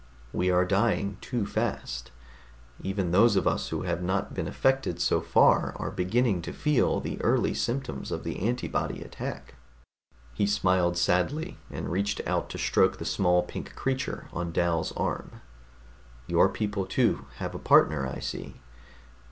"We are dying too fast. Even those of us who have not been affected so far are beginning to feel the early symptoms of the antibody attack." He smiled sadly and reached out to stroke the small pink creature on Dal's arm. "Your people too have a partner, I see.